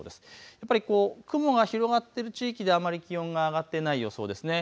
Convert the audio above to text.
やっぱり雲が広がっている地域ではあまり気温が上がっていない予想ですね。